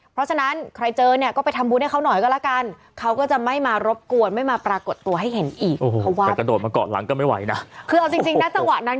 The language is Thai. เพราะฉะนั้นใครเจอเนี่ยก็ไปทำบุญให้แบบเขาน่อยก็แล้วกัน